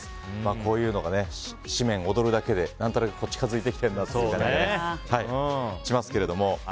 こういうのが紙面に躍るだけで何となく近づいてきてるなという気がしますけど。